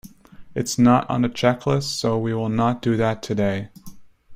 It's not on the checklist so we will not do that today.